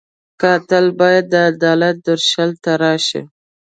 قاتل باید د عدالت درشل ته راشي